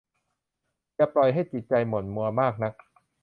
อย่าปล่อยให้จิตใจหม่นมัวมากนัก